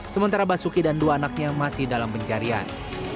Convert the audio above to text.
sementara basuki dan dua anaknya masih dalam pencarian